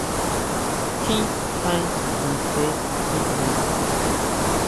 Tjín tjaen nise jin jno.